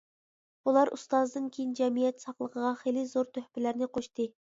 بۇلار ئۇستازىدىن كېيىن جەمئىيەت ساقلىقىغا خېلى زور تۆھپىلەرنى قوشتى.